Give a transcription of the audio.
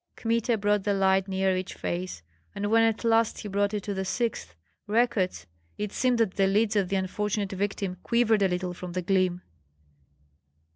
Kmita brought the light near each face; and when at last he brought it to the sixth, Rekuts, it seemed that the lids of the unfortunate victim quivered a little from the gleam.